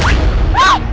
nging jelas dong